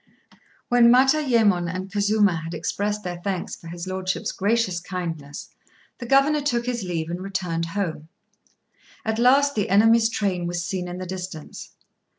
] When Matayémon and Kazurna had expressed their thanks for his lordship's gracious kindness, the governor took his leave and returned home. At last the enemy's train was seen in the distance.